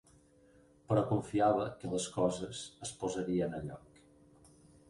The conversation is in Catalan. Però confiava que les coses es posarien a lloc.